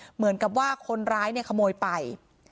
เหมือนกับว่าคนร้ายขโมยไป